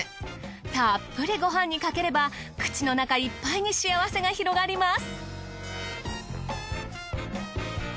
たっぷりご飯にかければ口の中いっぱいに幸せが広がります。